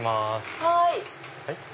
はい。